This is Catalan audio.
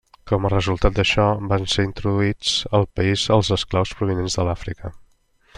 Com a resultat d'això, van ser introduïts al país els esclaus provinents de l'Àfrica.